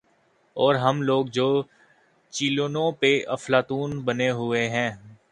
اورہم لوگ جو چینلوں پہ افلاطون بنے ہوتے ہیں۔